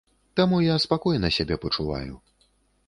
Таму я спакойна сябе пачуваю.